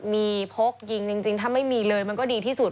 มีพกยิงจริงถ้าไม่มีเลยมันก็ดีที่สุด